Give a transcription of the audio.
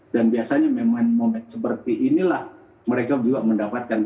dan biasanya memang momen seperti inilah mereka juga mendapatkan